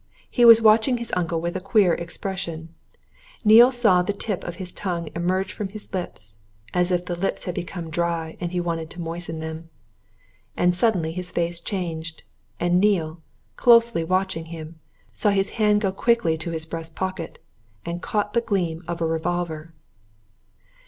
He was watching his uncle with a queer expression. Neale saw the tip of his tongue emerge from his lips, as if the lips had become dry, and he wanted to moisten them. And suddenly his face changed, and Neale, closely watching him, saw his hand go quickly to his breast pocket, and caught the gleam of a revolver....